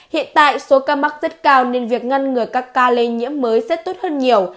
hiện tại số ca mắc rất cao nên việc ngăn ngừa các ca lây nhiễm mới sẽ tốt hơn nhiều